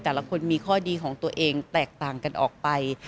แต่ละคนมีข้อดีของตัวเองแตกต่างกันออกไป